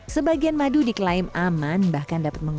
sebagian madu diklaim sebagai penyakit diabetes